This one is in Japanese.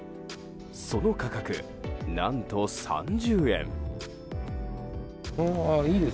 その価格、何と３０円。